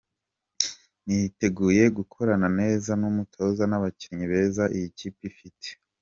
Niteguye gukorana neza n’umutoza n’abakinnyi beza iyi kipe ifite.